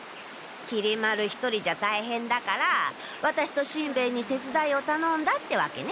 きり丸一人じゃたいへんだからワタシとしんべヱにてつだいをたのんだってわけね？